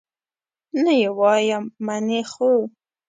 نه یې وایم، منې خو؟